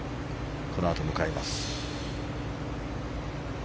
このあと迎えます。